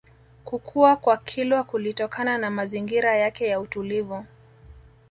Kukua kwa Kilwa kulitokana na mazingira yake ya utulivu